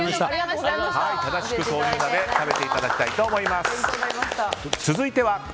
正しく豆乳鍋を食べていただきたいと思います。